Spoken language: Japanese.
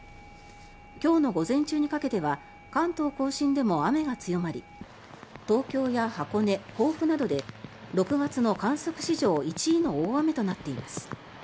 今日の午前中にかけては関東・甲信でも雨が強まり東京や箱根、甲府などで６月の観測史上１位の大雨となっています。